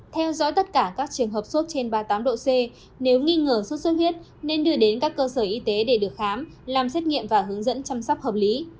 theo dõi tất cả các trường hợp sốt trên ba mươi tám độ c nếu nghi ngờ sốt xuất huyết nên đưa đến các cơ sở y tế để được khám làm xét nghiệm và hướng dẫn chăm sóc hợp lý